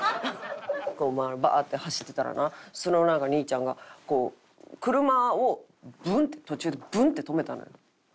バーッて走ってたらなそのなんか兄ちゃんがこう車をブンッて途中でブンッて止めたのよ。